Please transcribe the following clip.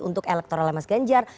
untuk elektoral mas ganjar